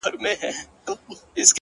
د خدای د عرش قهر د دواړو جهانونو زهر؛